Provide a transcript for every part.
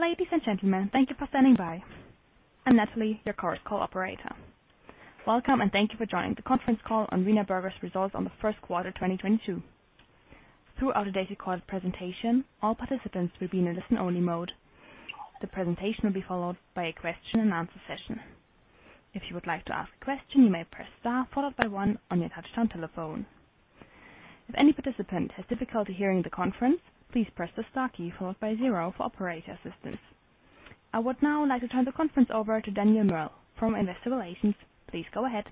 Ladies and gentlemen, thank you for standing by. I'm Natalie, your current call operator. Welcome, and thank you for joining the conference call on Wienerberger's results on the First Quarter, 2022. Throughout today's recorded presentation, all participants will be in a listen-only mode. The presentation will be followed by a question-and-answer session. If you would like to ask a question, you may press star followed by one on your touchtone telephone. If any participant has difficulty hearing the conference, please press the star key followed by zero for operator assistance. I would now like to turn the conference over to Daniel Merl from Investor Relations. Please go ahead.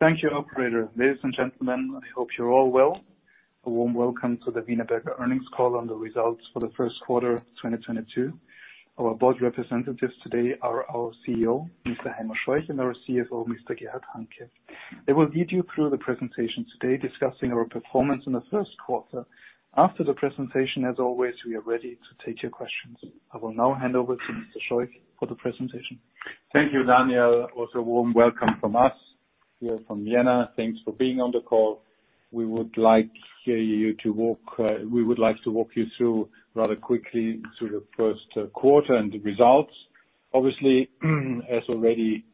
Thank you, operator. Ladies and gentlemen, I hope you're all well. A warm welcome to the Wienerberger Earnings Call on the Results for the First Quarter, 2022. Our Board Representatives today are our CEO, Mr. Heimo Scheuch, and our CFO, Mr. Gerhard Hanke. They will lead you through the presentation today discussing our performance in the first quarter. After the presentation, as always, we are ready to take your questions. I will now hand over to Mr. Scheuch for the presentation. Thank you, Daniel. Also, a warm welcome from us here from Vienna. Thanks for being on the call. We would like to walk you through rather quickly through the first quarter and the results. Obviously, as already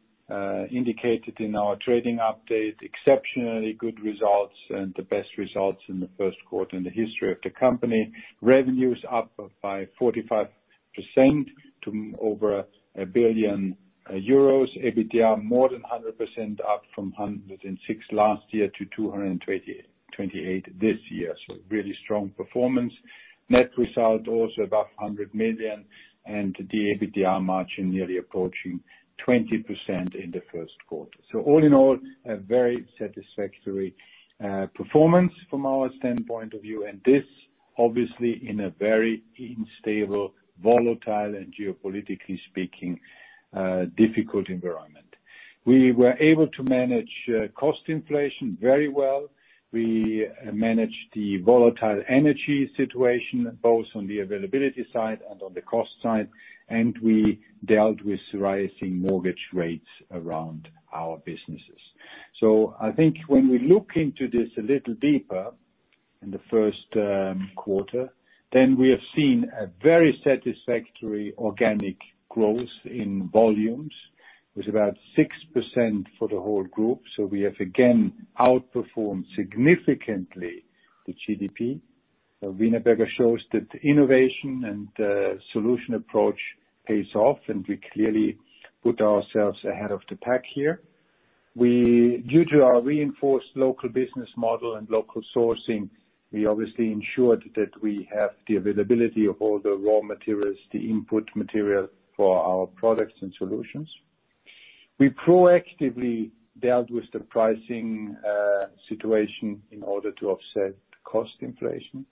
indicated in our trading update, exceptionally good results and the best results in the first quarter in the history of the company. Revenue is up by 45% to over 1 billion euros. EBITDA more than 100% up from 106% last year to 228% this year. Really strong performance. Net result also above 100 million, and the EBITDA margin nearly approaching 20% in the first quarter. All in all, a very satisfactory performance from our point of view, and this obviously in a very unstable, volatile, and geopolitically speaking, difficult environment. We were able to manage cost inflation very well. We managed the volatile energy situation both on the availability side and on the cost side, and we dealt with rising mortgage rates around our businesses. I think when we look into this a little deeper in the first quarter, then we have seen a very satisfactory organic growth in volumes with about 6% for the whole group, so we have again outperformed significantly the GDP. Wienerberger shows that innovation and solution approach pays off, and we clearly put ourselves ahead of the pack here. Due to our reinforced local business model and local sourcing, we obviously ensured that we have the availability of all the raw materials, the input material for our products and solutions. We proactively dealt with the pricing situation in order to offset cost inflation...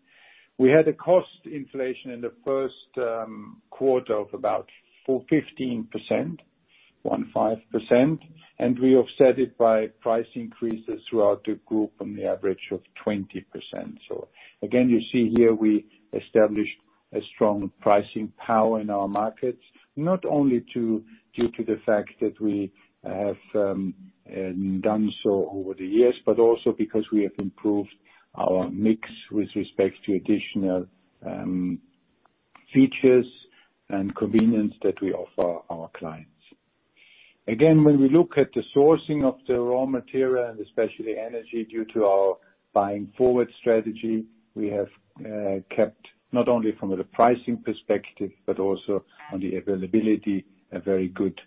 We had a cost inflation in the first quarter of about 15%, and we offset it by price increases throughout the group on the average of 20%. You see here we established a strong pricing power in our markets, not only due to the fact that we have done so over the years, but also because we have improved our mix with respect to additional features and convenience that we offer our clients. Again, when we look at the sourcing of the raw material and especially energy due to our buying forward strategy, we have kept not only from the pricing perspective but also on the availability a very good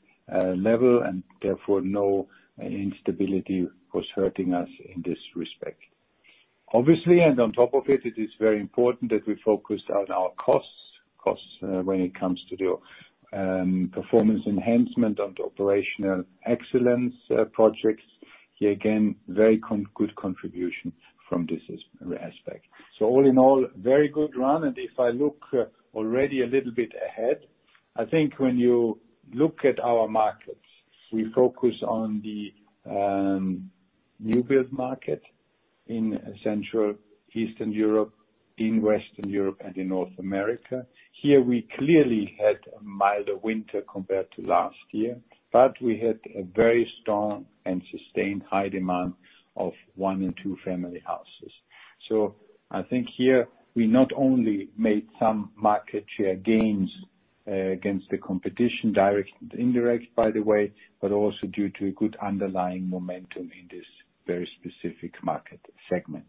level and therefore no instability was hurting us in this respect. Obviously, and on top of it is very important that we focused on our costs, when it comes to the Performance Enhancement and Operational Excellence projects. Here again, very good contribution from this aspect. All in all, very good run. If I look, already a little bit ahead, I think when you look at our markets, we focus on the new build market in Central, Eastern Europe, in Western Europe, and in North America. Here we clearly had a milder winter compared to last year, but we had a very strong and sustained high demand of one and two family houses. I think here we not only made some market share gains, against the competition, direct and indirect, by the way, but also due to a good underlying momentum in this very specific market segment.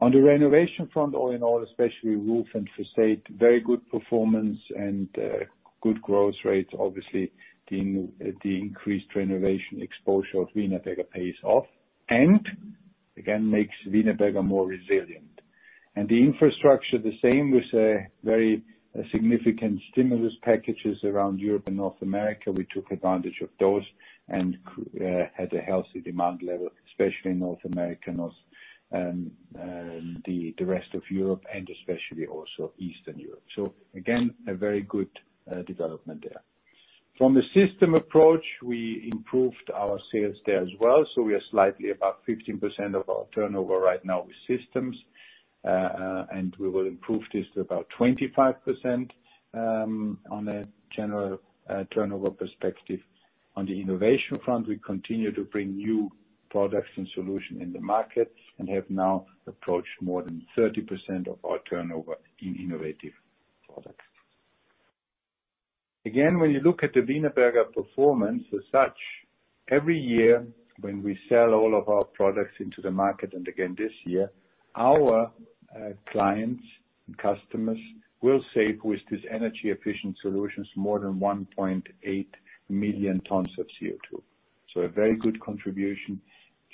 On the renovation front, all in all, especially roof and façade, very good performance and good growth rates. Obviously, the increased renovation exposure of Wienerberger pays off and again, makes Wienerberger more resilient. The infrastructure the same with very significant stimulus packages around Europe and North America. We took advantage of those and had a healthy demand level, especially in North America, the rest of Europe, and especially also Eastern Europe. Again, a very good development there. From the system approach, we improved our sales there as well, so we are slightly above 15% of our turnover right now with systems. We will improve this to about 25% on a general turnover perspective. On the innovation front, we continue to bring new products and solution in the market and have now approached more than 30% of our turnover in innovative products. When you look at the Wienerberger performance as such, every year when we sell all of our products into the market, and again this year, our clients and customers will save with these energy efficient solutions more than 1.8 million tons of CO₂. So a very good contribution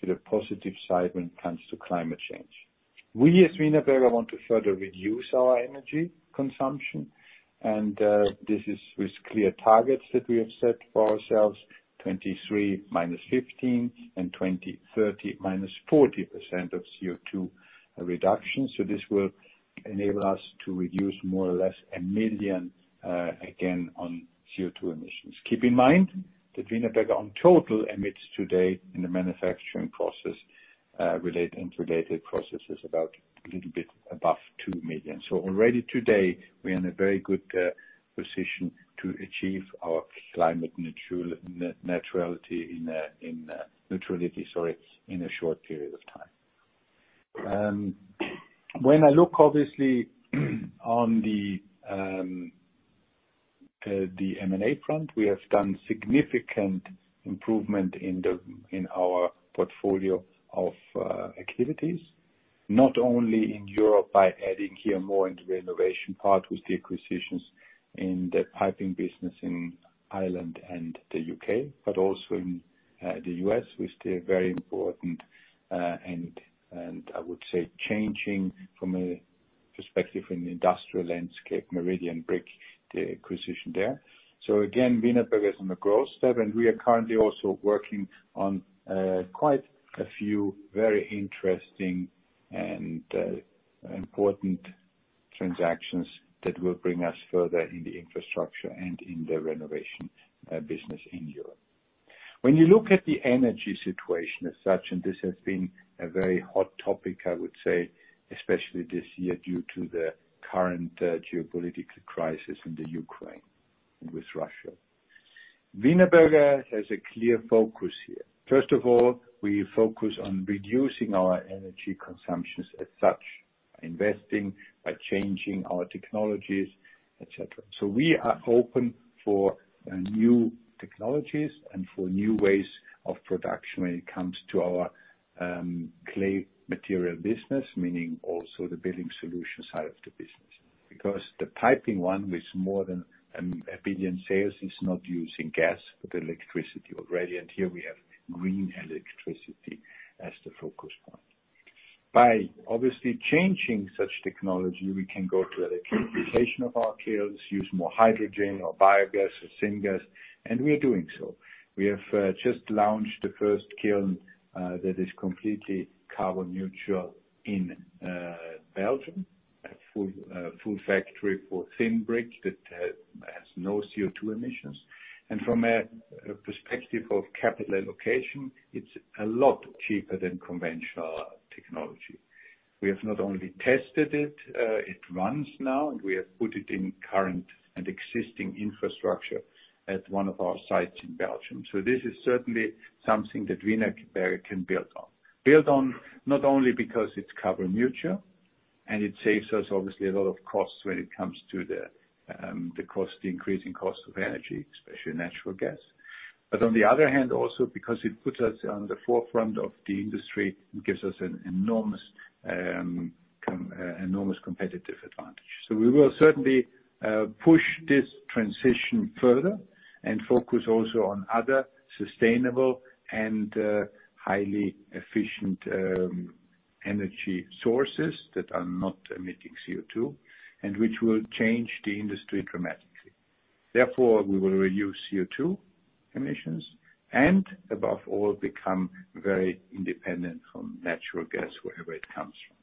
to the positive side when it comes to climate change. We as Wienerberger want to further reduce our energy consumption, and this is with clear targets that we have set for ourselves, 2023 -15% and 2030 -40% of CO₂ reduction. This will enable us to reduce more or less 1 million, again on CO₂ emissions. Keep in mind that Wienerberger in total emits today in the manufacturing process, interrelated processes about a little bit above 2 million. Already today, we're in a very good position to achieve our climate neutrality, sorry, in a short period of time. When I look obviously on the M&A front, we have done significant improvement in the, in our portfolio of, activities, not only in Europe by adding here more in the renovation part with the acquisitions in the piping business in Ireland and the U.K., but also in, the U.S., which is still very important, and I would say changing from a perspective in the industrial landscape, Meridian Brick, the acquisition there. Again, Wienerberger is on the growth step, and we are currently also working on quite a few very interesting and important transactions that will bring us further in the infrastructure and in the renovation business in Europe. When you look at the energy situation as such, and this has been a very hot topic, I would say, especially this year, due to the current geopolitical crisis in the Ukraine and with Russia. Wienerberger has a clear focus here. First of all, we focus on reducing our energy consumptions as such, investing by changing our technologies, et cetera. We are open for new technologies and for new ways of production when it comes to our clay material business, meaning also the building solution side of the business. Because the piping one with more than 1 billion sales is not using gas, but electricity already. Here, we have green electricity as the focus point. By obviously changing such technology, we can go to electrification of our kilns, use more Hydrogen or Biogas or Syngas, and we are doing so. We have just launched the first kiln that is completely carbon neutral in Belgium, a full factory for thin brick that has no CO₂ emissions. From a perspective of capital allocation, it's a lot cheaper than conventional technology. We have not only tested it runs now, and we have put it in current and existing infrastructure at one of our sites in Belgium. This is certainly something that Wienerberger can build on. Build on not only because it's carbon neutral and it saves us obviously a lot of costs when it comes to the increasing cost of energy, especially natural gas. On the other hand, also because it puts us on the forefront of the industry and gives us an enormous competitive advantage. We will certainly push this transition further and focus also on other sustainable and highly efficient energy sources that are not emitting CO₂, and which will change the industry dramatically. Therefore, we will reduce CO₂ emissions and above all, become very independent from natural gas wherever it comes from.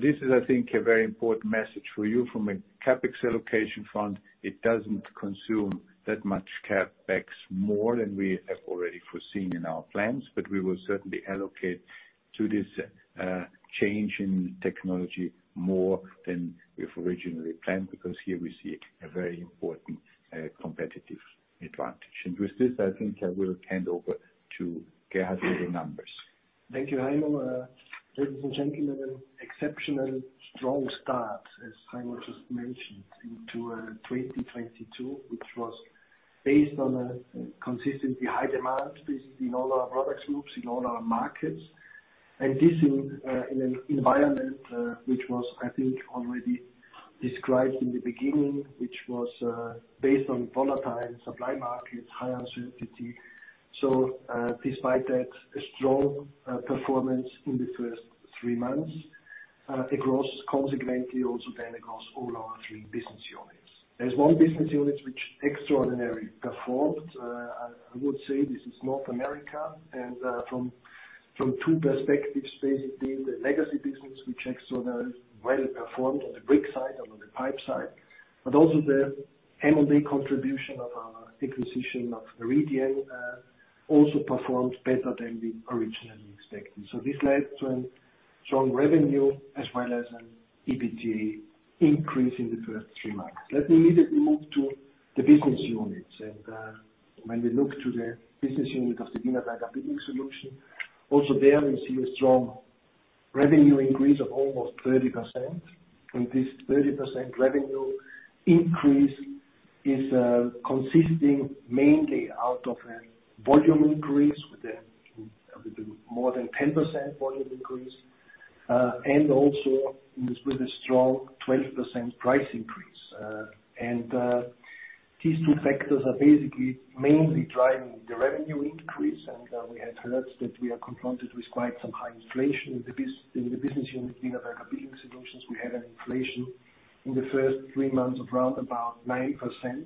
This is, I think, a very important message for you from a CapEx allocation front. It doesn't consume that much CapEx more than we have already foreseen in our plans, but we will certainly allocate to this, change in technology more than we've originally planned, because here we see a very important, competitive advantage. With this, I think I will hand over to Gerhard with the numbers. Thank you, Heimo. Ladies and gentlemen, an exceptionally strong start, as Heimo just mentioned, into 2022, which was based on a consistently high demand, basically in all our product groups, in all our markets. This in an environment which was, I think, already described in the beginning, which was based on volatile supply markets, high uncertainty. Despite that, a strong performance in the first three months, consequently also then across all our three business units. There's one business unit which extraordinarily performed. I would say this is North America, and from two perspectives, basically the legacy business which extraordinarily well performed on the brick side and on the pipe side. Also the M&A contribution of our Acquisition of Meridian also performed better than we originally expected. This led to a strong revenue as well as an EBITDA increase in the first three months. Let me immediately move to the business units and when we look to the business unit of the Wienerberger Building Solutions, also there we see a strong revenue increase of almost 30%. This 30% revenue increase is consisting mainly out of a volume increase with a little more than 10% volume increase and also with a strong 20% price increase. These two factors are basically mainly driving the revenue increase. We have heard that we are confronted with quite some high inflation in the business unit, Wienerberger Building Solutions. We had an inflation in the first three months of around 9%,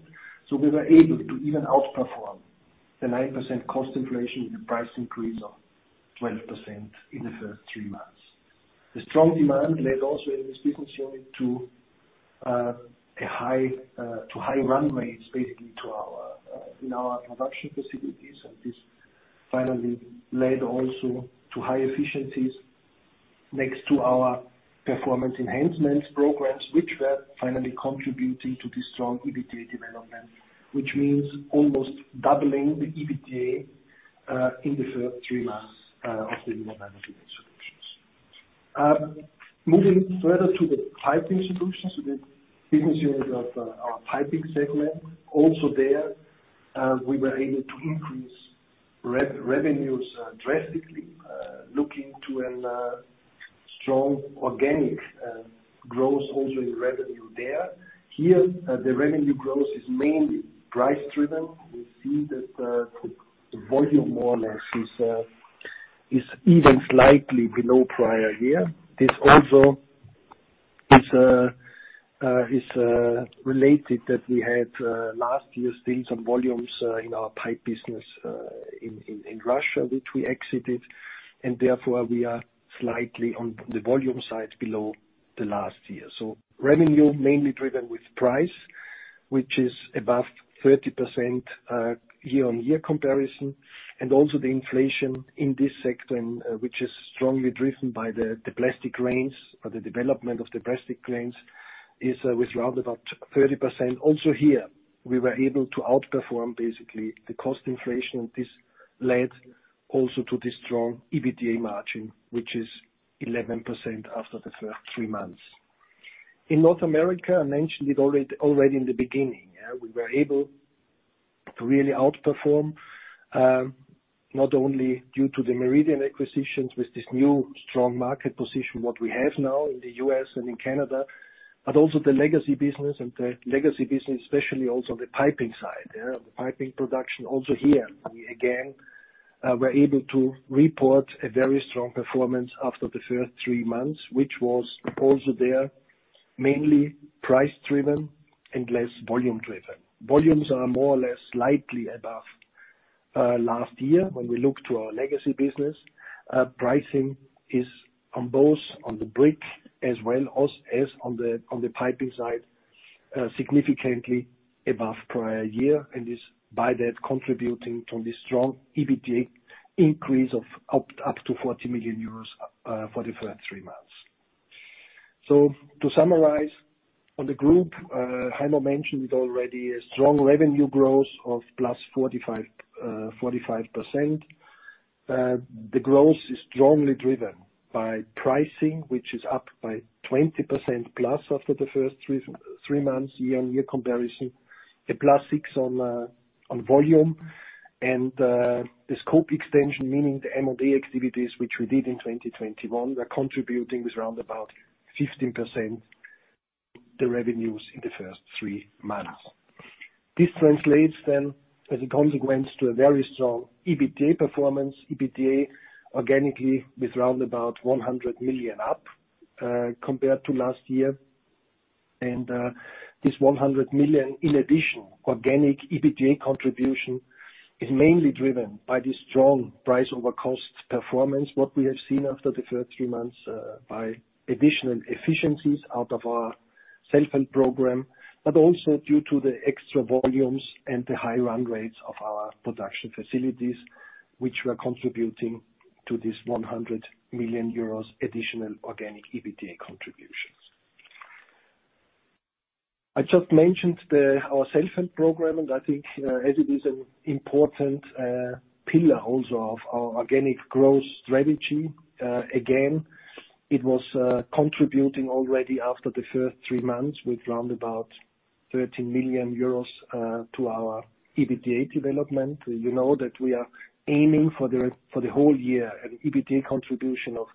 so we were able to even outperform the 9% cost inflation with a price increase of 20% in the first three months. The strong demand led also in this business unit to high run rates, basically to our production facilities. This finally led also to high efficiencies next to our performance enhancements programs, which were finally contributing to the strong EBITDA development, which means almost doubling the EBITDA in the first three months of the Wienerberger Building Solutions. Moving further to the Piping Solutions, so the business unit of our piping segment. Also there, we were able to increase revenues drastically, looking to a strong organic growth also in revenue there. Here, the revenue growth is mainly price driven. We see that, the volume more or less is even slightly below prior year. This also is related that we had last year still some volumes in our pipe business in Russia, which we exited, and therefore we are slightly on the volume side below last year. Revenue mainly driven with price, which is above 30%, year-on-year comparison. Also the inflation in this sector and, which is strongly driven by the plastic resins or the development of the plastic resins is with round about 30%. Also here we were able to outperform basically the cost inflation. This led also to the strong EBITDA margin, which is 11% after the first three months. In North America, I mentioned it already in the beginning, yeah. We were able to really outperform, not only due to the Meridian acquisitions with this new strong market position, what we have now in the U.S. and in Canada, but also the legacy business. The legacy business, especially also the piping side, yeah. The piping production, also here we again were able to report a very strong performance after the first three months, which was also there, mainly price driven and less volume driven. Volumes are more or less slightly above last year when we look to our legacy business. Pricing is on both the brick as well as on the piping side, significantly above prior year. Is by that contributing to the strong EBITDA increase of up to 40 million euros for the first three months. To summarize on the group, Heimo mentioned it already, a strong revenue growth of +45%. The growth is strongly driven by pricing, which is up by 20%+ after the first three months year-on-year comparison. A +6 on volume and the scope extension, meaning the M&A activities which we did in 2021 are contributing with around 15% the revenues in the first three months. This translates then as a consequence to a very strong EBITDA performance. EBITDA organically with around 100 million up compared to last year. This 100 million in addition, organic EBITDA contribution is mainly driven by the strong price over cost performance that we have seen after the first three months, by additional efficiencies out of our self-help program. Also due to the extra volumes and the high run rates of our production facilities, which were contributing to this 100 million euros additional organic EBITDA contributions. I just mentioned our self-help program, and I think, as it is an important pillar also of our organic growth strategy, again, it was contributing already after the first three months with around 13 million euros to our EBITDA development. You know that we are aiming for the whole year an EBITDA contribution of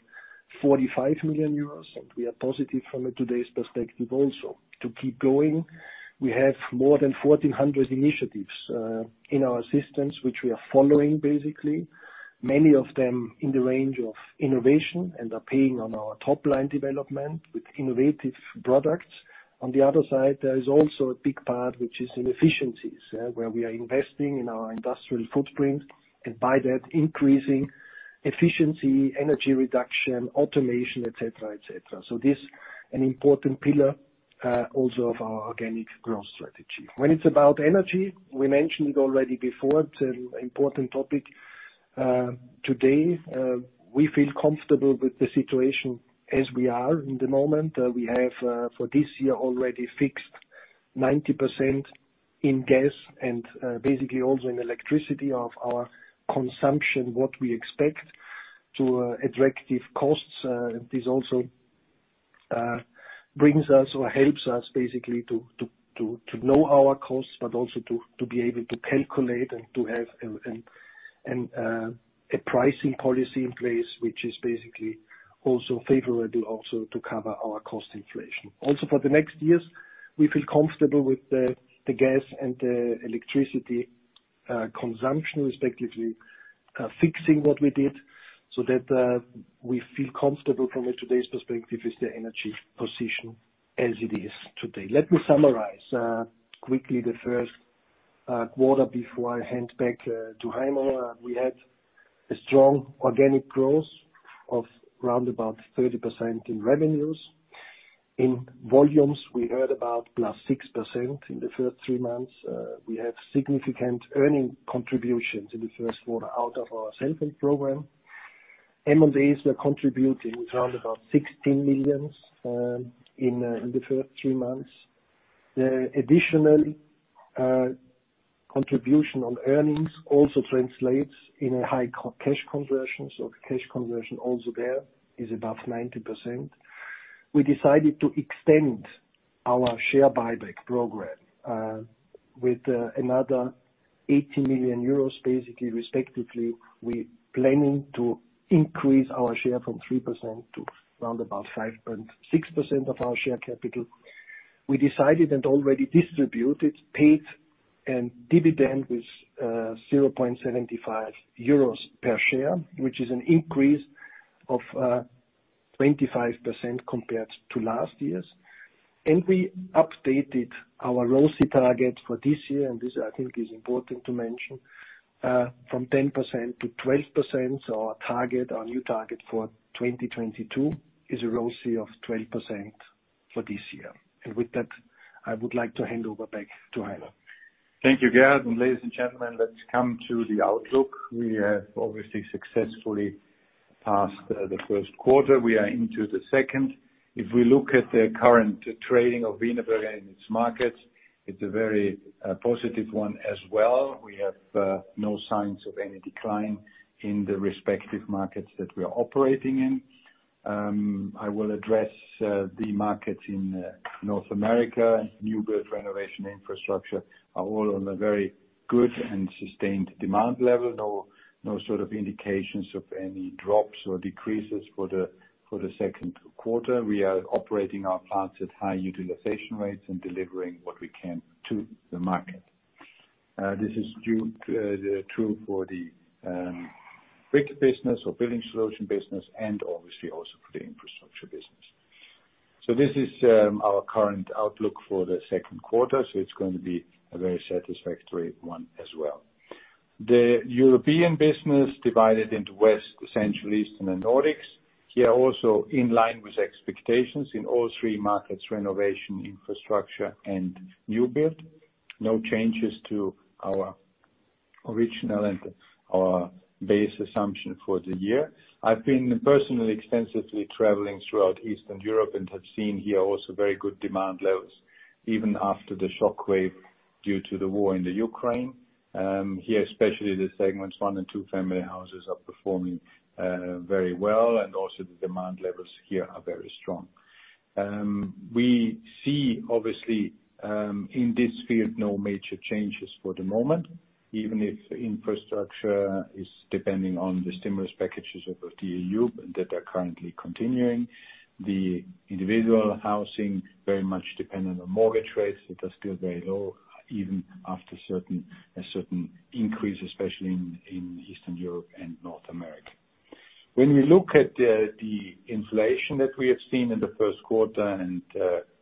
45 million euros, and we are positive from today's perspective also. To keep going, we have more than 1,400 initiatives in our systems which we are following basically. Many of them in the range of innovation and are paying on our top-line development with innovative products. On the other side, there is also a big part which is in efficiencies. Where we are investing in our industrial footprint and by that increasing efficiency, energy reduction, automation, et cetera, et cetera. This is an important pillar also of our organic growth strategy. When it's about energy, we mentioned already before, it's an important topic today. We feel comfortable with the situation as we are in the moment. We have for this year already fixed 90% in gas and basically also in electricity of our consumption, what we expect to at attractive costs. This also brings us or helps us basically to know our costs, but also to be able to calculate and to have a pricing policy in place which is basically favorable to cover our cost inflation. For the next years, we feel comfortable with the gas and the electricity consumption respectively, fixing what we did so that we feel comfortable from today's perspective is the energy position as it is today. Let me summarize quickly the first quarter before I hand back to Heimo. We had a strong organic growth of about 30% in revenues. In volumes, we had about +6% in the first three months. We have significant earnings contributions in the first quarter out of our self-help program. M&A's were contributing around 16 million in the first three months. The additional contribution on earnings also translates in a high cash conversion. Cash conversion also there is above 90%. We decided to extend our share buyback program with another 80 million euros, basically, respectively. We planning to increase our share from 3% to around 5.6% of our share capital. We decided and already distributed, paid, and dividend was 0.75 euros per share, which is an increase of 25% compared to last year's. We updated our ROCE target for this year, and this I think is important to mention, from 10% to 12%. Our target, our new target for 2022 is a ROCE of 12% for this year. With that, I would like to hand over back to Heimo. Thank you, Gerd. Ladies and gentlemen, let's come to the outlook. We have obviously successfully passed the first quarter. We are into the second. If we look at the current trading of Wienerberger in its markets, it's a very positive one as well. We have no signs of any decline in the respective markets that we are operating in. I will address the markets in North America. New build, renovation, infrastructure are all on a very good and sustained demand level. No sort of indications of any drops or decreases for the second quarter. We are operating our plants at high utilization rates and delivering what we can to the market. This is true for the brick business or building solution business, and obviously also for the infrastructure business. This is our current outlook for the second quarter, it's going to be a very satisfactory one as well. The European business divided into West, Central, Eastern, and Nordics. Here also in line with expectations in all three markets, renovation, infrastructure, and new build. No changes to our original and our base assumption for the year. I've been personally extensively traveling throughout Eastern Europe and have seen here also very good demand levels, even after the shockwave due to the war in the Ukraine. Here, especially the segments one and two family houses are performing very well and also the demand levels here are very strong. We see obviously in this field, no major changes for the moment, even if infrastructure is depending on the stimulus packages of the EU that are currently continuing. The individual housing very much dependent on mortgage rates. It is still very low, even after a certain increase, especially in Eastern Europe and North America. When we look at the inflation that we have seen in the first quarter,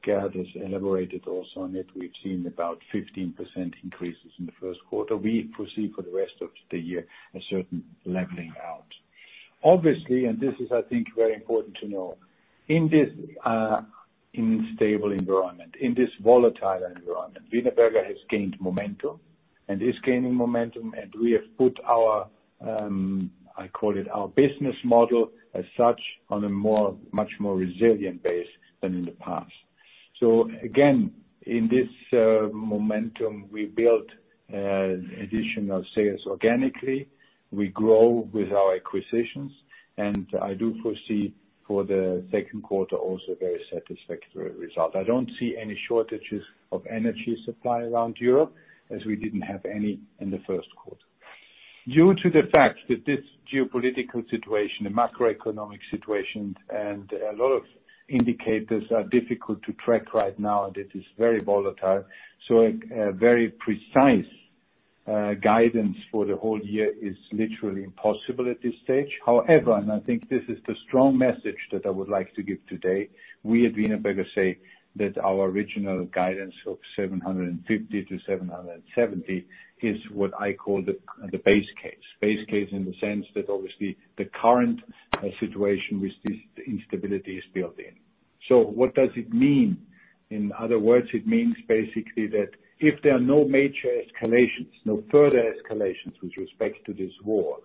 Gerd has elaborated also on it. We've seen about 15% increases in the first quarter. We foresee for the rest of the year a certain leveling out. Obviously, this is I think very important to know. In this volatile environment, Wienerberger has gained momentum and is gaining momentum, and we have put our I call it our business model as such on a much more resilient base than in the past. Again, in this momentum, we built additional sales organically. We grow with our acquisitions, and I do foresee for the second quarter also very satisfactory result. I don't see any shortages of energy supply around Europe, as we didn't have any in the first quarter. Due to the fact that this geopolitical situation, the macroeconomic situation, and a lot of indicators are difficult to track right now, and it is very volatile. A very precise guidance for the whole year is literally impossible at this stage. However, and I think this is the strong message that I would like to give today. We at Wienerberger say that our original guidance of 750-770 is what I call the base case. Base case in the sense that obviously the current situation with this instability is built in. What does it mean? In other words, it means basically that if there are no major escalations, no further escalations with respect to this war,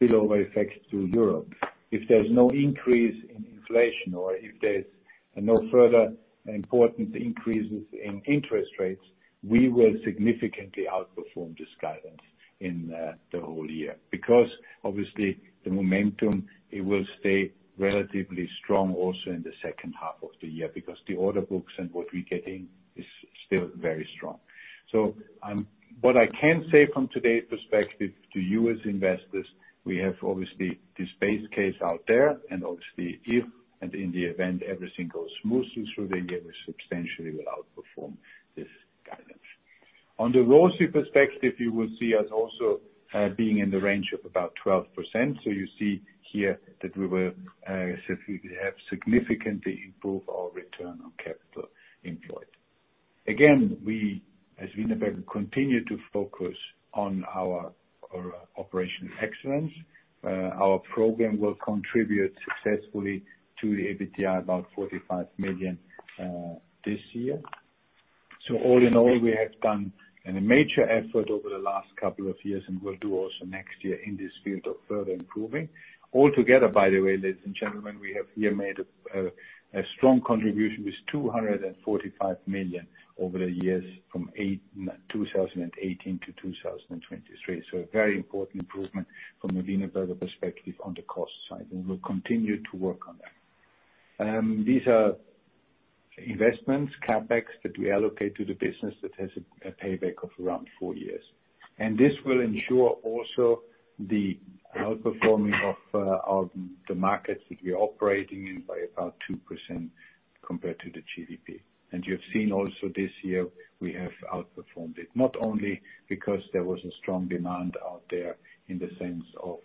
no spillover effects to Europe. If there's no increase in inflation or if there's no further important increases in interest rates, we will significantly outperform this guidance in the whole year. Because obviously the momentum, it will stay relatively strong also in the second half of the year because the order books and what we're getting is still very strong. What I can say from today's perspective to you as investors, we have obviously this base case out there and obviously if, and in the event, everything goes smoothly through the year, we substantially will outperform this guidance. On the ROCE perspective, you will see us also being in the range of about 12%. You see here that we will have significantly improved our return on capital employed. Again, we as Wienerberger continue to focus on our Operational Excellence. Our program will contribute successfully to the EBITDA about 45 million this year. All in all, we have done a major effort over the last couple of years and will do also next year in this field of further improving. All together, by the way, ladies and gentlemen, we have here made a strong contribution with 245 million over the years from 2018 to 2023. A very important improvement from a Wienerberger perspective on the cost side, and we'll continue to work on that. These are investments, CapEx that we allocate to the business that has a payback of around four years. This will ensure also the outperforming of the markets that we are operating in by about 2% compared to the GDP. You have seen also this year we have outperformed it, not only because there was a strong demand out there in the sense of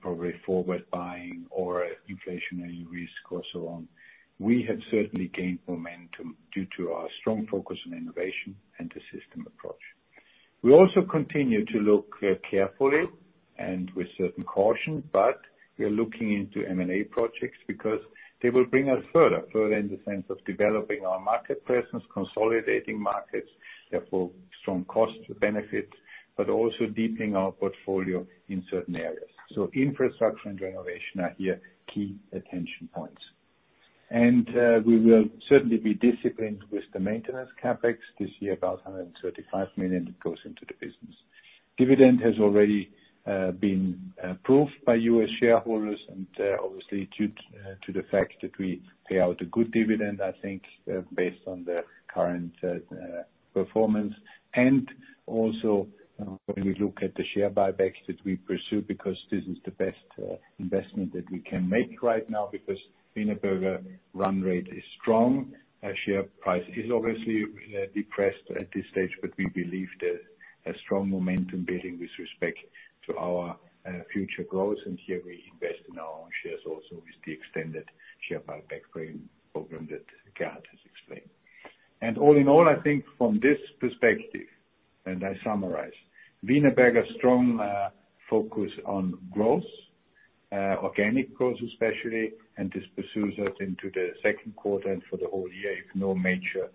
probably forward buying or inflationary risk or so on. We have certainly gained momentum due to our strong focus on innovation and the system approach. We also continue to look carefully and with certain caution, but we are looking into M&A projects because they will bring us further. Further in the sense of developing our market presence, consolidating markets, therefore strong cost benefit, but also deepening our portfolio in certain areas. Infrastructure and renovation are here key attention points. We will certainly be disciplined with the maintenance CapEx. This year about 135 million goes into the business. Dividend has already been approved by U.S. shareholders and obviously due to the fact that we pay out a good dividend, I think, based on the current performance. When we look at the share buybacks that we pursue because this is the best investment that we can make right now because Wienerberger run rate is strong. Our share price is obviously depressed at this stage, but we believe that a strong momentum building with respect to our future growth. Here we invest in our own shares also with the extended share buyback frame program that Gerhard has explained. All in all, I think from this perspective, and I summarize, Wienerberger strong focus on growth, organic growth especially, and this pursues us into the second quarter and for the whole year if no major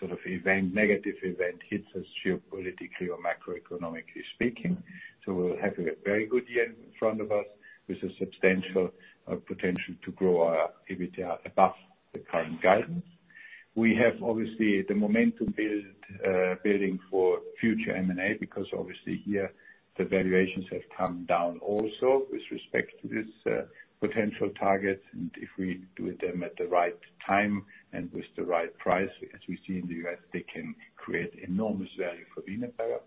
sort of event, negative event hits us geopolitically or macroeconomically speaking. We'll have a very good year in front of us with a substantial potential to grow our EBITDA above the current guidance. We have obviously the momentum building for future M&A because obviously here the valuations have come down also with respect to this potential targets. If we do them at the right time and with the right price, as we see in the U.S., they can create enormous value for Wienerberger.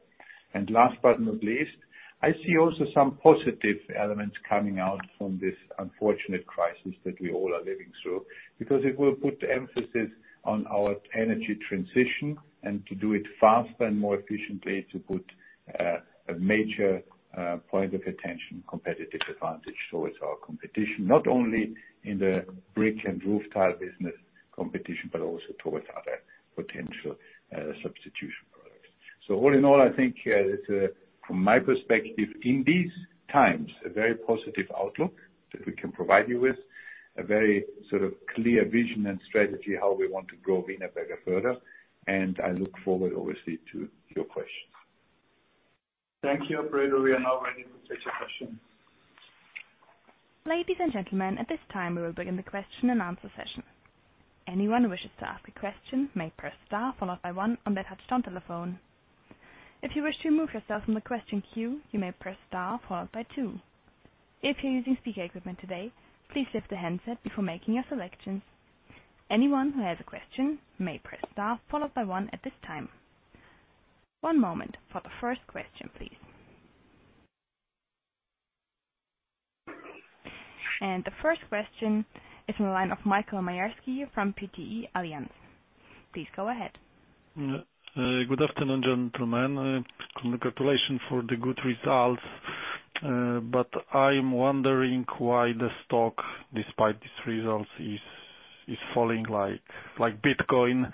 Last but not least, I see also some positive elements coming out from this unfortunate crisis that we all are living through, because it will put emphasis on our energy transition and to do it faster and more efficiently to put a major point of attention, competitive advantage towards our competition, not only in the brick and roof tile business competition, but also towards other potential substitution products. All in all, I think, it's from my perspective, in these times, a very positive outlook that we can provide you with. A very sort of clear vision and strategy how we want to grow Wienerberger further. I look forward, obviously, to your questions. Thank you. Operator, we are now ready to take your questions. Ladies and gentlemen, at this time, we will begin the question and answer session. Anyone who wishes to ask a question may press star followed by one on their touchtone telephone. If you wish to remove yourself from the question queue, you may press star followed by two. If you're using speaker equipment today, please lift the handset before making your selections. Anyone who has a question may press star followed by one at this time. One moment for the first question, please. The first question is in the line of Michał Majerski from PTE Allianz. Please go ahead. Good afternoon, gentlemen. Congratulations for the good results. I'm wondering why the stock, despite these results, is falling like Bitcoin.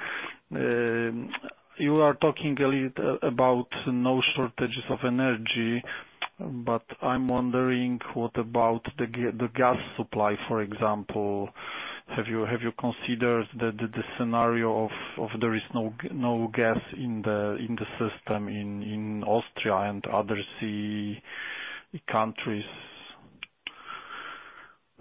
You are talking a little about no shortages of energy, but I'm wondering what about the gas supply, for example? Have you considered the scenario of there is no gas in the system in Austria and other CEE countries?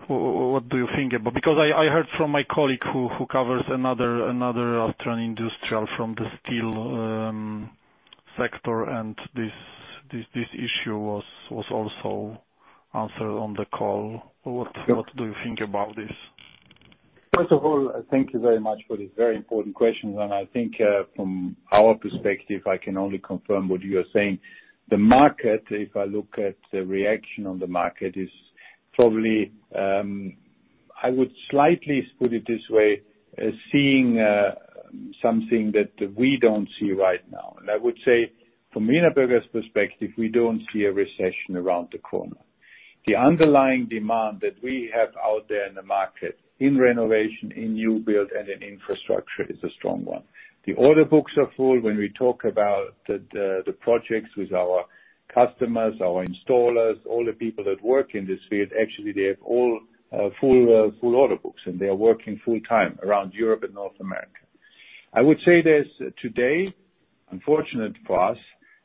What do you think about it? Because I heard from my colleague who covers another Austrian industrial from the steel sector, and this issue was also answered on the call. What do you think about this? First of all, thank you very much for this very important question. I think, from our perspective, I can only confirm what you are saying. The market, if I look at the reaction on the market, is probably, I would slightly put it this way, is seeing, something that we don't see right now. I would say from Wienerberger's perspective, we don't see a recession around the corner. The underlying demand that we have out there in the market, in renovation, in new build, and in infrastructure is a strong one. The order books are full. When we talk about the projects with our customers, our installers, all the people that work in this field, actually, they have all, full order books, and they are working full time around Europe and North America. I would say there's today unfortunate for us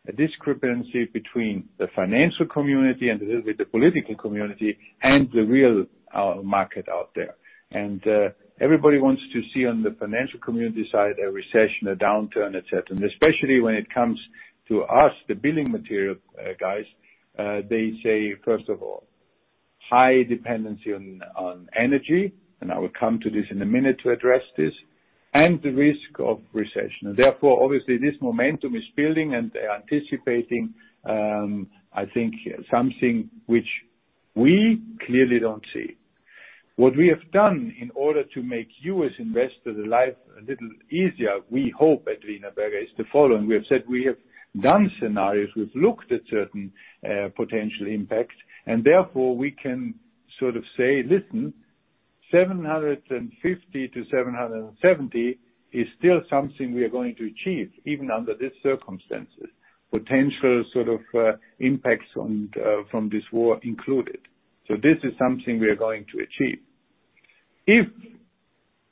a discrepancy between the financial community and a little bit the political community and the real market out there. Everybody wants to see on the financial community side a recession, a downturn, et cetera. Especially when it comes to us, the building material guys, they say, first of all, high dependency on energy, and I will come to this in a minute to address this, and the risk of recession. Therefore, obviously this momentum is building, and they are anticipating, I think something which we clearly don't see. What we have done in order to make you as investors life a little easier, we hope at Wienerberger, is the following. We have said we have done scenarios. We've looked at certain potential impacts, and therefore we can sort of say, "Listen, 750-770 is still something we are going to achieve even under these circumstances, potential sort of impacts from this war included. This is something we are going to achieve." If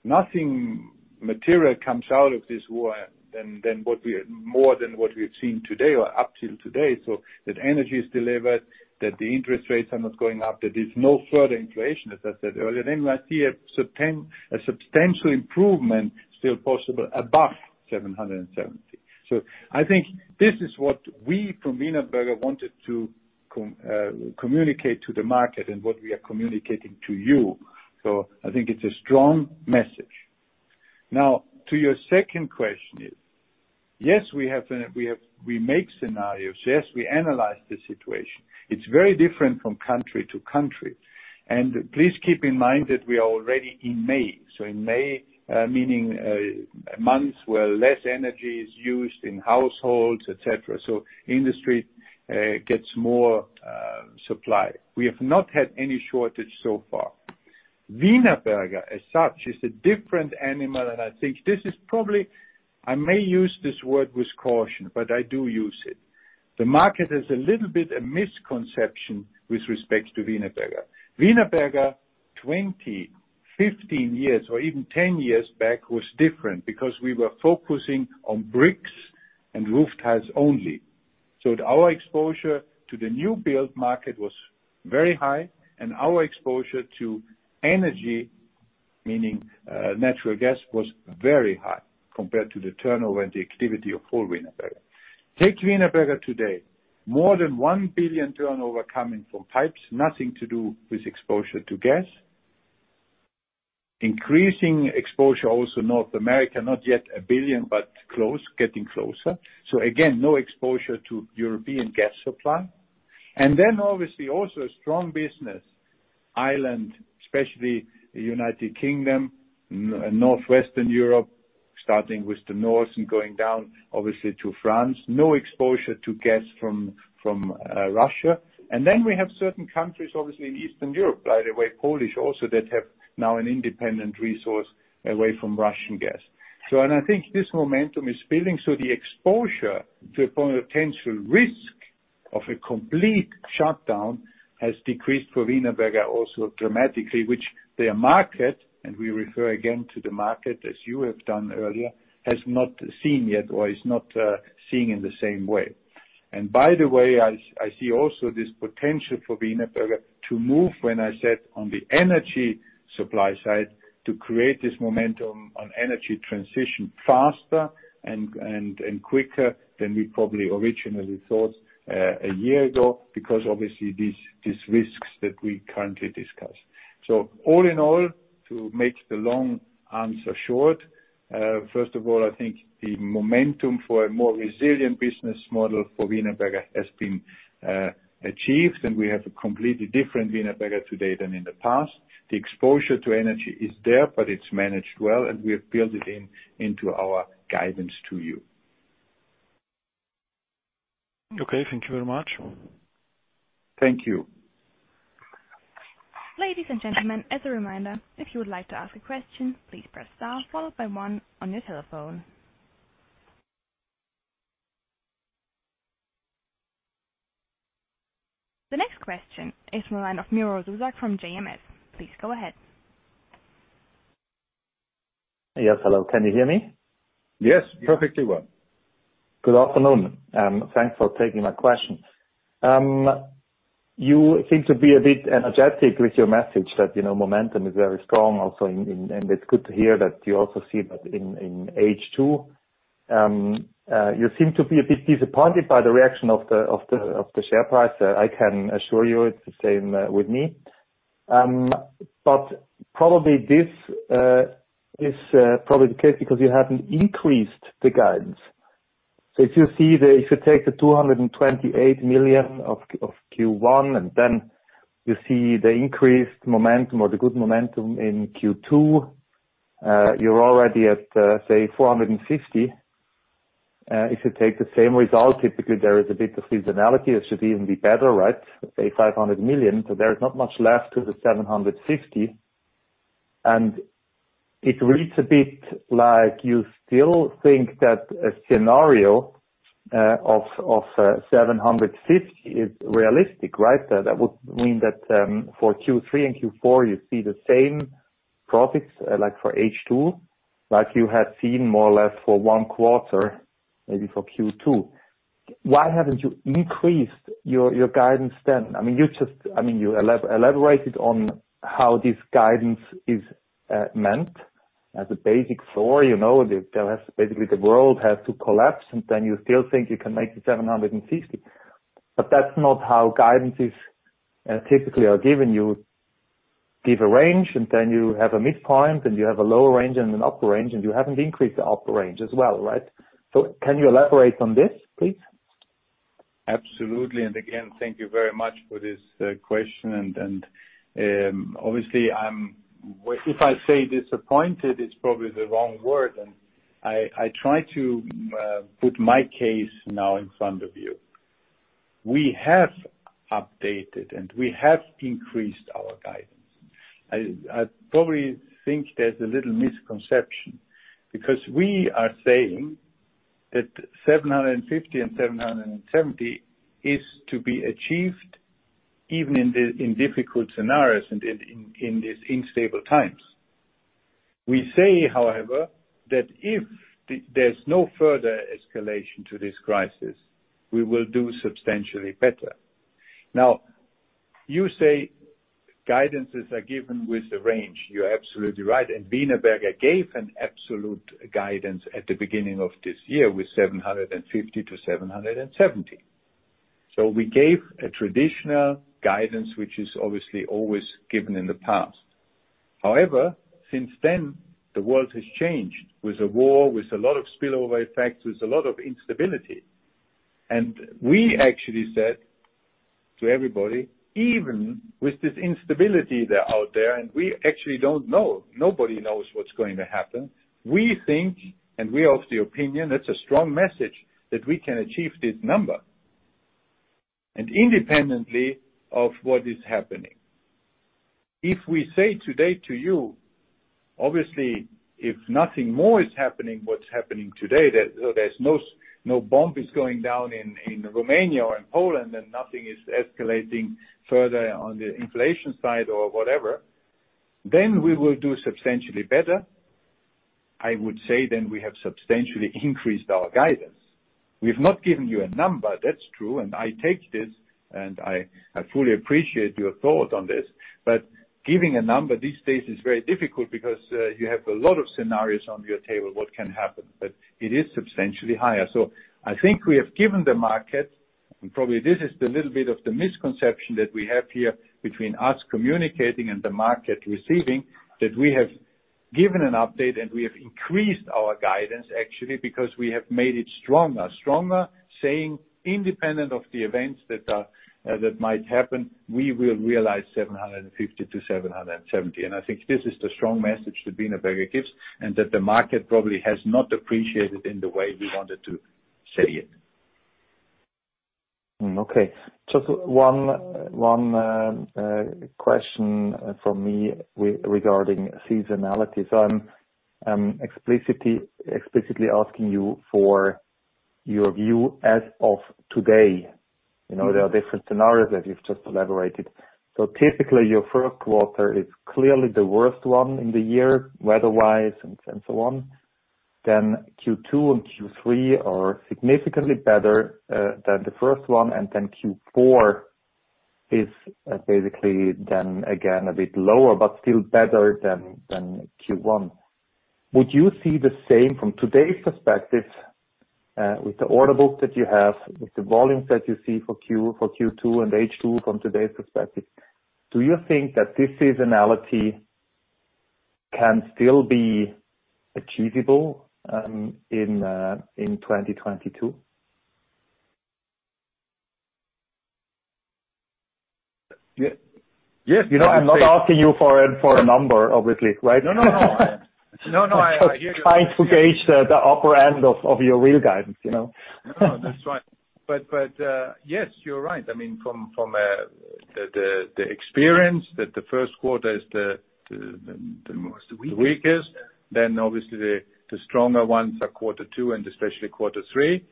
nothing material comes out of this war than what we have, more than what we've seen today or up till today, so that energy is delivered, that the interest rates are not going up, that there's no further inflation, as I said earlier, then I see a substantial improvement still possible above 770. I think this is what we from Wienerberger wanted to communicate to the market and what we are communicating to you. I think it's a strong message. Now, to your second question is, yes, we make scenarios. Yes, we analyze the situation. It's very different from country to country. Please keep in mind that we are already in May, so in May, meaning, a month where less energy is used in households, et cetera. Industry gets more supply. We have not had any shortage so far. Wienerberger as such is a different animal, and I think this is probably. I may use this word with caution, but I do use it. The market has a little bit a misconception with respect to Wienerberger. Wienerberger 20, 15 years, or even 10 years back was different because we were focusing on bricks and roof tiles only. Our exposure to the new build market was very high, and our exposure to energy, meaning natural gas, was very high compared to the turnover and the activity of whole Wienerberger. Take Wienerberger today. More than 1 billion turnover coming from pipes. Nothing to do with exposure to gas. Increasing exposure also North America, not yet a billion, but close, getting closer. Again, no exposure to European gas supply. Then obviously also a strong business, Ireland, especially United Kingdom, northwestern Europe, starting with the North and going down obviously to France. No exposure to gas from Russia. Then we have certain countries, obviously in Eastern Europe, by the way, Poland also that have now an independent resource away from Russian gas. I think this momentum is building, so the exposure to a potential risk of a complete shutdown has decreased for Wienerberger also dramatically, which their market, and we refer again to the market as you have done earlier, has not seen yet or is not seeing in the same way. By the way, I see also this potential for Wienerberger to move, when I said on the energy supply side, to create this momentum on energy transition faster and quicker than we probably originally thought, a year ago because obviously these risks that we currently discuss. All in all, to make the long answer short, first of all, I think the momentum for a more resilient business model for Wienerberger has been achieved, and we have a completely different Wienerberger today than in the past. The exposure to energy is there, but it's managed well, and we have built it into our guidance to you. Okay, thank you very much. Thank you. Ladies and gentlemen, as a reminder, if you would like to ask a question, please press star followed by one on your telephone. The next question is from the line of Miro Zuzak from JMS. Please go ahead. Yes. Hello. Can you hear me? Yes, perfectly well. Good afternoon. Thanks for taking my question. You seem to be a bit energetic with your message that, you know, momentum is very strong also in H1 and it's good to hear that you also see that in H2. You seem to be a bit disappointed by the reaction of the share price. I can assure you it's the same with me. But probably this is probably the case because you haven't increased the guidance. If you take the 228 million of Q1, and then you see the increased momentum or the good momentum in Q2, you're already at, say, 450 million. If you take the same result, typically there is a bit of seasonality. It should even be better, right? 500 million. There is not much left to the 750 million. It reads a bit like you still think that a scenario of 750 million is realistic, right? That would mean that for Q3 and Q4, you see the same profits like for H2, like you had seen more or less for one quarter, maybe for Q2. Why haven't you increased your guidance then? I mean, you elaborated on how this guidance is meant as a basic floor, you know. Basically, the world has to collapse, and then you still think you can make the 750 million. That's not how guidances typically are given. You give a range, and then you have a midpoint, and you have a lower range and an upper range, and you haven't increased the upper range as well, right? Can you elaborate on this, please? Absolutely. Again, thank you very much for this question. Obviously, if I say disappointed, it's probably the wrong word, and I try to put my case now in front of you. We have updated, and we have increased our guidance. I probably think there's a little misconception because we are saying that 750 million-770 million is to be achieved even in difficult scenarios and in these unstable times. We say, however, that if there's no further escalation to this crisis, we will do substantially better. Now, you say guidances are given with the range. You're absolutely right. Wienerberger gave an absolute guidance at the beginning of this year with 750 million-770 million. We gave a traditional guidance, which is obviously always given in the past. However, since then, the world has changed. With the war, with a lot of spillover effects, with a lot of instability. We actually said to everybody, even with this instability there out there, and we actually don't know, nobody knows what's going to happen. We think, and we're of the opinion, that's a strong message that we can achieve this number. Independently of what is happening. If we say today to you, obviously, if nothing more is happening, what's happening today, there's no bomb is going down in Romania or in Poland, and nothing is escalating further on the inflation side or whatever, then we will do substantially better. I would say then we have substantially increased our guidance. We've not given you a number. That's true. I take this, and I fully appreciate your thought on this. Giving a number these days is very difficult because you have a lot of scenarios on your table, what can happen, but it is substantially higher. I think we have given the market, and probably this is the little bit of the misconception that we have here between us communicating and the market receiving, that we have given an update, and we have increased our guidance, actually, because we have made it stronger. Stronger, saying independent of the events that might happen, we will realize 750-770. I think this is the strong message that Wienerberger gives and that the market probably has not appreciated in the way we wanted to say it. Okay. Just one question from me regarding seasonality. I'm explicitly asking you for your view as of today. You know, there are different scenarios that you've just elaborated. Typically your first quarter is clearly the worst one in the year weather-wise and so on. Then Q2 and Q3 are significantly better than the first one, and then Q4 is basically then again a bit lower, but still better than Q1. Would you see the same from today's perspective with the order books that you have, with the volumes that you see for Q2 and H2 from today's perspective? Do you think that this seasonality can still be achievable in 2022? Yes. You know I'm not asking you for a number, obviously, right? No. I hear you. I'm trying to gauge the upper end of your real guidance, you know? No, that's right. Yes, you're right. I mean, from The experience that the first quarter is the, the was the weakest, then obviously the stronger ones are quarter two and especially quarter three.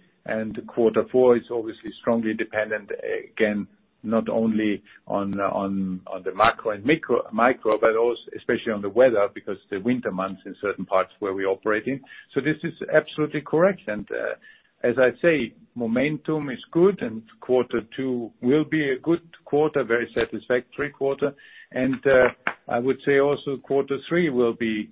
Quarter four is obviously strongly dependent again, not only on the macro and micro, but also especially on the weather because the winter months in certain parts where we operate in. This is absolutely correct. As I say, momentum is good and quarter two will be a good quarter, very satisfactory quarter. I would say also quarter three will be,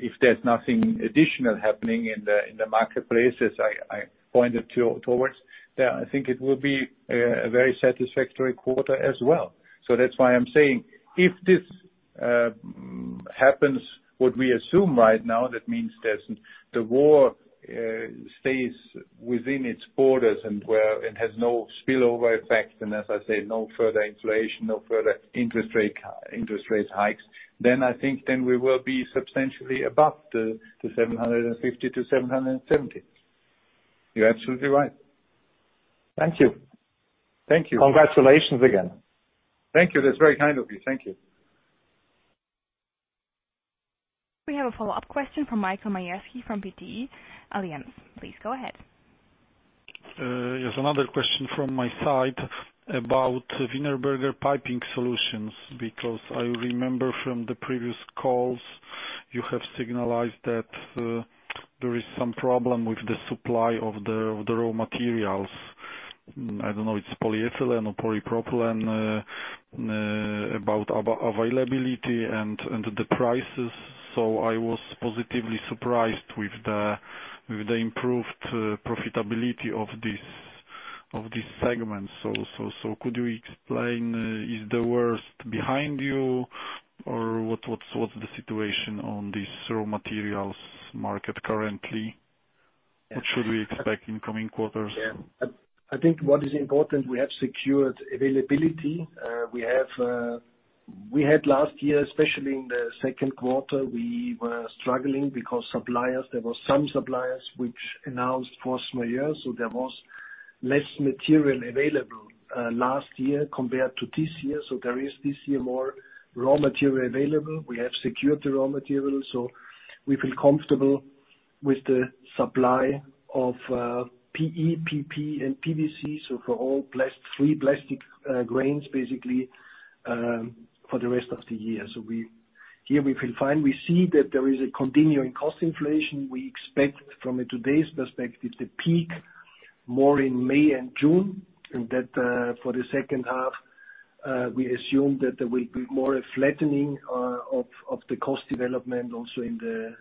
if there's nothing additional happening in the marketplace, as I pointed towards, that I think it will be a very satisfactory quarter as well. That's why I'm saying if this happens, what we assume right now, that means there's the war stays within its borders and where it has no spillover effect, and as I said, no further inflation, no further interest rate hikes, then I think we will be substantially above the 750 million-770 million. You're absolutely right. Thank you. Thank you. Congratulations again. Thank you. That's very kind of you. Thank you. We have a follow-up question from Michal Majerski from PTE Allianz. Please go ahead. Yes. Another question from my side about Wienerberger Piping Solutions, because I remember from the previous calls, you have signaled that there is some problem with the supply of the raw materials. I don't know if it's polyethylene or polypropylene, about availability and the prices. I was positively surprised with the improved profitability of this segment. Could you explain, is the worst behind you or what's the situation on this raw materials market currently? What should we expect in coming quarters? Yeah. I think what is important, we have secured availability. We had last year, especially in the second quarter, we were struggling because suppliers, there were some suppliers which announced force majeure, so there was less material available last year compared to this year. There is this year more raw material available. We have secured the raw materials, so we feel comfortable with the supply of PE, PP and PVC, so for all three plastic grains, basically, for the rest of the year. Here we feel fine. We see that there is a continuing cost inflation. We expect from today's perspective the peak more in May and June, and that for the second half we assume that there will be more of a flattening of the cost development also in the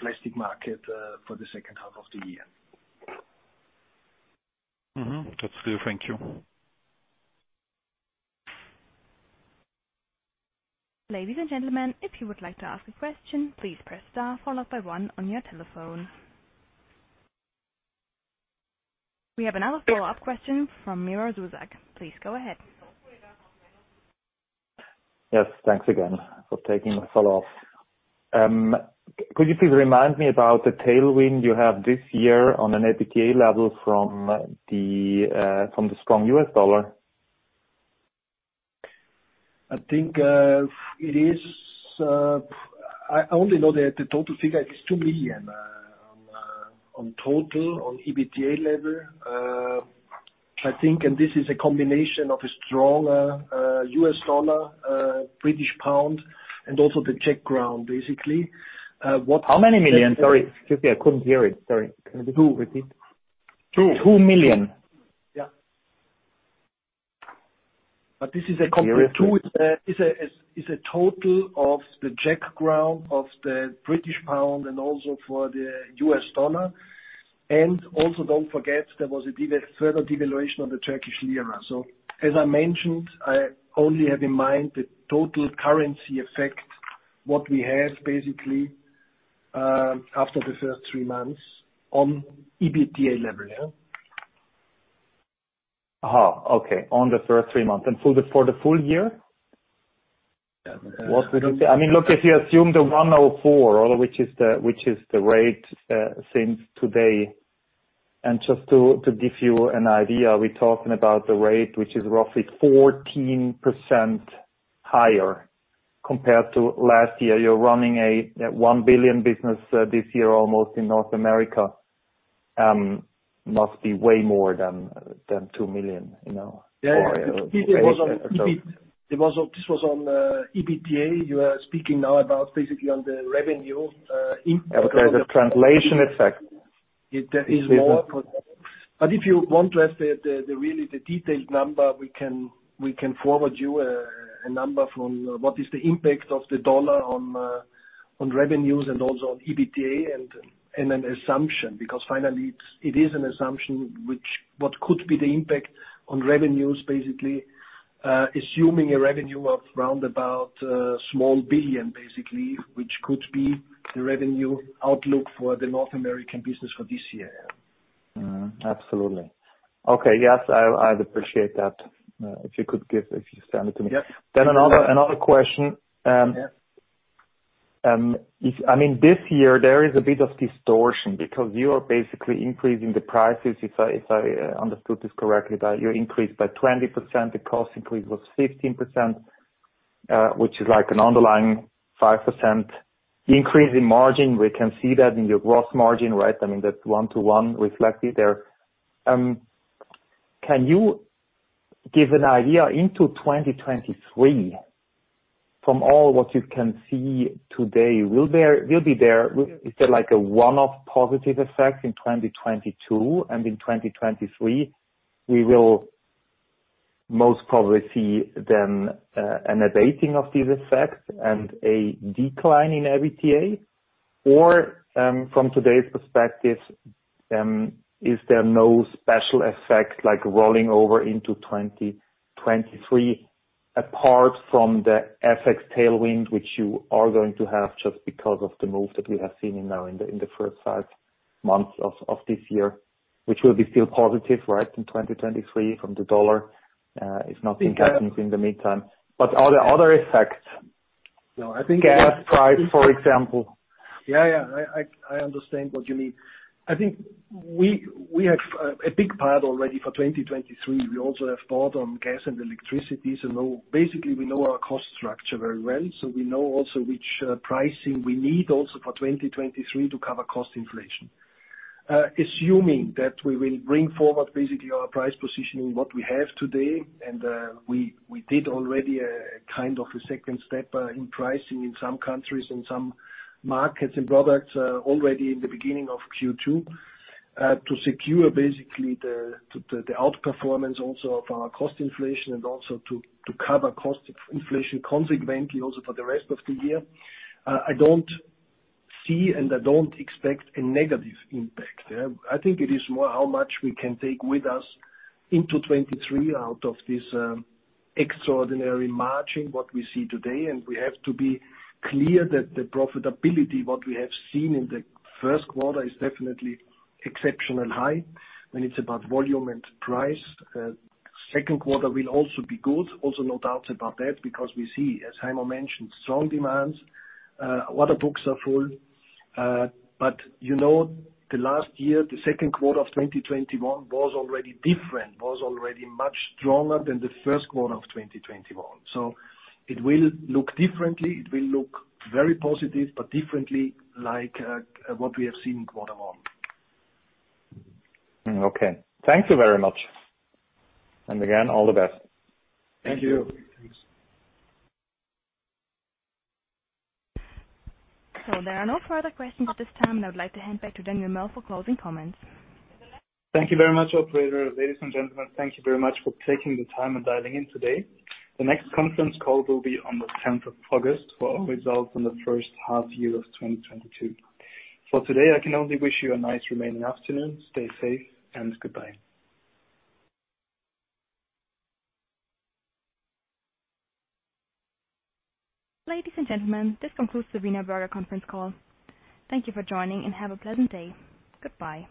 plastic market for the second half of the year. That's clear. Thank you. Ladies and gentlemen, if you would like to ask a question, please press star followed by one on your telephone. We have another follow-up question from Miro Rosak. Please go ahead. Yes, thanks again for taking my follow-up. Could you please remind me about the tailwind you have this year on an EBITDA level from the strong US dollar? I think I only know that the total figure is 2 million on total EBITDA level. I think this is a combination of a strong US dollar, British pound and also the Czech crown, basically. How many million? Sorry. Excuse me, I couldn't hear it, sorry. Can you repeat? Two. 2 million? Yeah. This is a complete. Can you repeat? Too is a total of the Czech crown of the British pound and also for the US dollar. Don't forget there was a further devaluation of the Turkish lira. As I mentioned, I only have in mind the total currency effect, what we have basically, after the first three months on EBITDA level. On the first three months. For the full year? What we would see. I mean, look, if you assume the 1.04, which is the rate since today, and just to give you an idea, we're talking about the rate, which is roughly 14% higher compared to last year. You're running a $1 billion business this year, almost in North America. Must be way more than $2 million, you know? Yeah. It was on EBITDA. You are speaking now about basically on the revenue in- There's a translation effect. There is more. If you want to have the really detailed number, we can forward you a number from what is the impact of the dollar on revenues and also on EBITDA and an assumption, because finally it is an assumption which what could be the impact on revenues, basically, assuming a revenue of round about $1 billion, basically, which could be the revenue outlook for the North American business for this year. Absolutely. Okay. Yes. I'd appreciate that. If you send it to me. Yep. Another question. Yeah. I mean, this year there is a bit of distortion because you are basically increasing the prices, if I understood this correctly, that you increased by 20%, the cost increase was 15%, which is like an underlying 5% increase in margin. We can see that in your gross margin, right? I mean, that's one to one reflected there. Can you give an idea into 2023 from all what you can see today, will there be? Is there like a one-off positive effect in 2022, and in 2023 we will most probably see an abating of these effects and a decline in EBITDA? From today's perspective, is there no special effect like rolling over into 2023 apart from the FX tailwind which you are going to have just because of the move that we have seen in the first 5 months of this year? Which will be still positive, right, in 2023 from the dollar, if nothing happens in the meantime. Are there other effects? No, I think. Gas price, for example. Yeah, yeah. I understand what you mean. I think we have a big pile already for 2023. We also have bought on gas and electricity, so basically we know our cost structure very well, so we know also which pricing we need also for 2023 to cover cost inflation. Assuming that we will bring forward basically our price positioning, what we have today, and we did already a kind of a second step in pricing in some countries and some markets and products already in the beginning of Q2 to secure basically the outperformance also of our cost inflation and also to cover cost inflation consequently also for the rest of the year. I don't see and I don't expect a negative impact. I think it is more how much we can take with us into 2023 out of this extraordinary margin, what we see today, and we have to be clear that the profitability, what we have seen in the first quarter, is definitely exceptionally high when it's about volume and price. Second quarter will also be good, also no doubt about that because we see, as Heimo mentioned, strong demand. Order books are full. But you know, the last year, the second quarter of 2021 was already different, was already much stronger than the first quarter of 2021. It will look differently. It will look very positive, but differently, what we have seen in quarter one. Okay. Thank you very much. Again, all the best. Thank you. Thanks. There are no further questions at this time, and I would like to hand back to Daniel Merl for closing comments. Thank you very much, operator. Ladies and gentlemen, thank you very much for taking the time and dialing in today. The next conference call will be on the 10th of August for our results in the first half year of 2022. For today, I can only wish you a nice remaining afternoon. Stay safe and goodbye. Ladies and gentlemen, this concludes the Wienerberger conference call. Thank you for joining, and have a pleasant day. Goodbye.